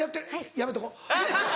やめとこう。